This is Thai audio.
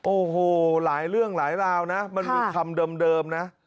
โอ้โหหลายเรื่องหลายราวนะมันมีคำเดิมนะ